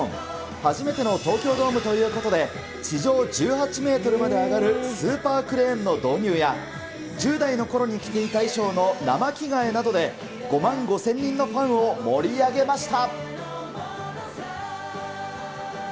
初めての東京ドームということで、地上１８メートルまで上がるスーパークレーンの導入や、１０代のころに着ていた衣装の生着替えなどで、５万５０００人のファンを盛り上げました。